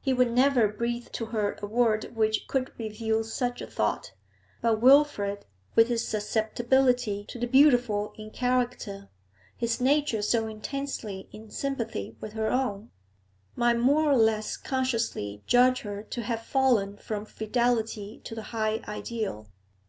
He would never breathe to her a word which could reveal such a thought, but Wilfrid, with his susceptibility to the beautiful in character, his nature so intensely in sympathy with her own, might more or less consciously judge her to have fallen from fidelity to the high ideal.